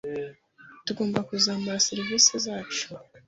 Tugomba kuzamura seriveri zacu.